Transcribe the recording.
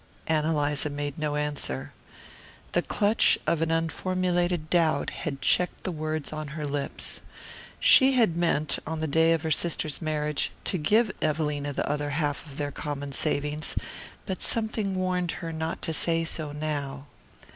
Ann Eliza made no answer. The clutch of an unformulated doubt had checked the words on her lips. She had meant, on the day of her sister's marriage, to give Evelina the other half of their common savings; but something warned her not to say so now.